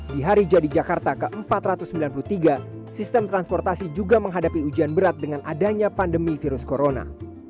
di hari jadi jakarta ke empat ratus sembilan puluh tiga sistem transportasi juga menghadapi ujian berat dengan adanya pandemi virus corona